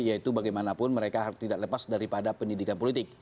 yaitu bagaimanapun mereka tidak lepas daripada pendidikan politik